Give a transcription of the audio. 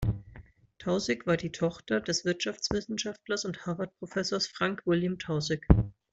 Taussig war die Tochter des Wirtschaftswissenschaftlers und Harvard-Professors Frank William Taussig.